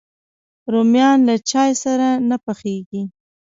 رومیان له چای سره نه پخېږي